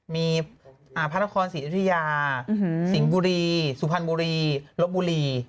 มีพระนครศรีอยุธยาสิงห์บุรีสุพรรณบุรีลบบุรี